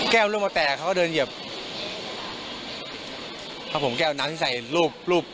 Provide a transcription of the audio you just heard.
ลูกมาแตกเขาก็เดินเหยียบครับผมแก้วน้ำที่ใส่รูปรูป